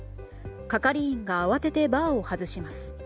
係員が慌ててバーを外します。